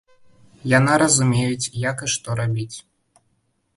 Яна разумеюць, як і што рабіць.